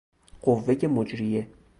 قوهُ مجریه